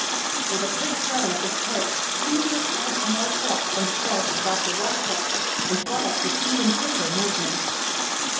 With a quick turn of his head Jimmy looked at a small clock on the shelf above the wash tubs, and got up with even quicker movement.